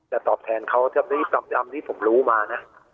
แต่ตอบแทนเขาเท่าที่ผมรู้มานะ